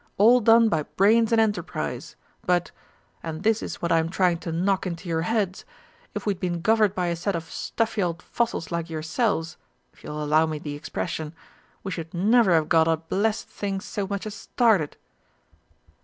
All done by brains and enterprise, but and this is what I am trying to knock into your heads if we'd been governed by a set of stuffy old fossils like yourselves if you'll allow me the expression we should never have got a blessed thing so much as started!"